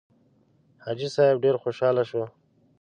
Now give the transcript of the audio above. حاجي صیب ډېر خوشاله شو.